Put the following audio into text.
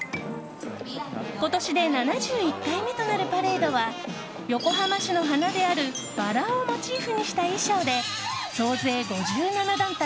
今年で７１回目となるパレードは横浜市の花であるバラをモチーフにした衣装で総勢５７団体